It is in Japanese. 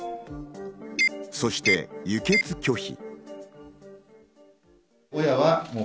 そして輸血拒否。